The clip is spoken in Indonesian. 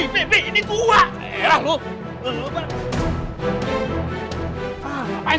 b b b ini gua